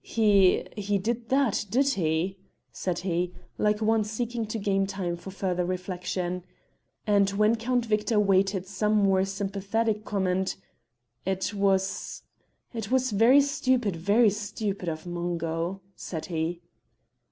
"He he did that, did he?" said he, like one seeking to gain time for further reflection. And when Count Victor waited some more sympathetic comment, "It was it was very stupid, very stupid of Mungo," said he.